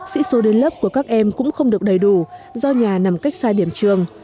sĩ số đến lớp của các em cũng không được đầy đủ do nhà nằm cách xa điểm trường